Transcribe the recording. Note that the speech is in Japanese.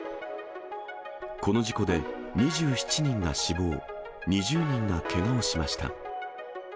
この事故で２７人が死亡、２０人がけがをしました。